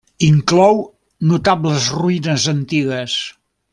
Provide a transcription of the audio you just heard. Inclou notables ruïnes antigues.